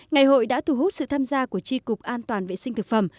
ngày hội đã thu hút sự tham gia của tri cục an toàn vệ sinh thực phẩm